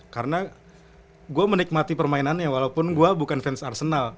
karena gue menikmati permainannya walaupun gue bukan fans arsenal